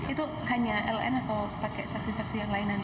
itu hanya ln atau pakai saksi saksi yang lain nanti